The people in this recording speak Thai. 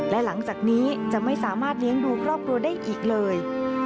และหลังจากนี้จะไม่สามารถเลี้ยงดูครอบครัวได้อีกเลย